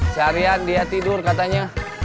seharian dia tidur katanya